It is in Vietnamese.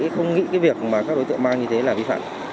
không nghĩ cái việc mà các đối tượng mang như thế là vi phạm